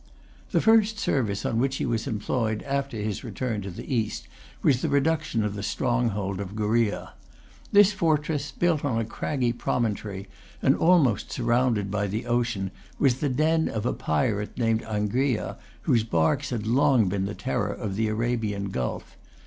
The first service on which he was employed after his return to the East was the reduction of the stronghold of Gheriah. This fortress, built on a craggy promontory, and almost surrounded by the ocean, was the den of a pirate named Angria, whose barks had long been the terror of the Arabian Gulf.